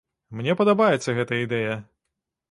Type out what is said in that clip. Мне падабаецца гэтая ідэя.